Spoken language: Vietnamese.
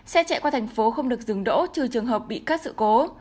xe chạy qua thành phố không được dừng đỗ trừ trường hợp bị các sự cố